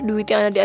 buang kadu apa